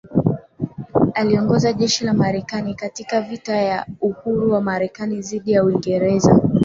Aliongoza jeshi la Marekani katika vita ya uhuru wa Marekani dhidi ya Uingereza